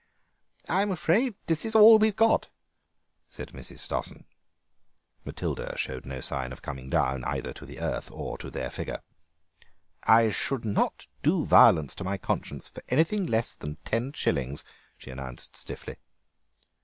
"I am afraid this is all we've got," said Mrs. Stossen. Matilda showed no sign of coming down either to the earth or to their figure. "I could not do violence to my conscience for anything less than ten shillings," she announced stiffly.